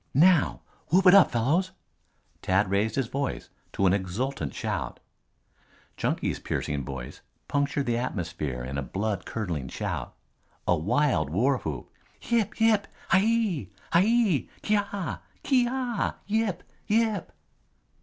"Now! Whoop it up, fellows!" Tad raised his voice to an exultant shout. Chunky's piercing voice punctured the atmosphere in a blood curdling shout, a wild warwhoop. "Yip! Yip! Hiyi! Hiyi! Kyaw! Kyeeaw! Yip! Yip!"